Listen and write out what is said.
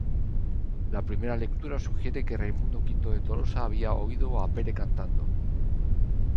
La primera lectura sugiere que Raimundo V de Tolosa había oído a Pere cantando.